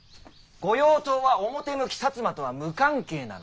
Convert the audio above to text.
御用盗は表向き摩とは無関係なの。